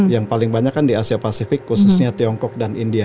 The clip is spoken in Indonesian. yang paling banyak kan di asia pasifik khususnya tiongkok dan india